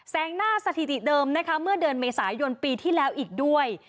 งหน้าสถิติเดิมนะคะเมื่อเดือนเมษายนปีที่แล้วอีกด้วย